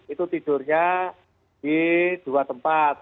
itu tidurnya di dua tempat